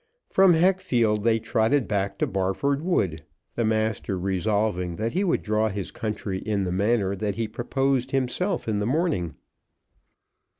From Heckfield they trotted back to Barford Wood, the master resolving that he would draw his country in the manner he had proposed to himself in the morning.